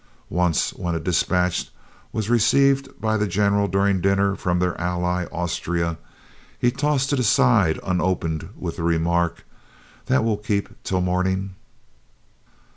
Once when a despatch was received by the General during dinner, from their ally, Austria, he tossed it aside unopened with the remark, "That will keep till morning."